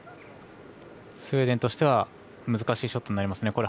スウェーデンとしては難しいショットになりますね。